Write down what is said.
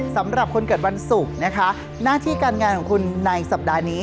สำหรับคนเกิดวันศุกร์นะคะหน้าที่การงานของคุณในสัปดาห์นี้